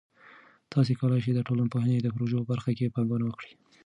تاسې کولای سئ د ټولنپوهنې د پروژه په برخه کې پانګونه وکړئ.